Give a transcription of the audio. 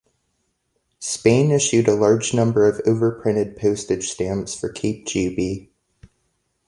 Spain issued a large number of overprinted postage stamps for Cape Juby.